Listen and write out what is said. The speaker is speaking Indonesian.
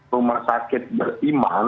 rumah sakit beriman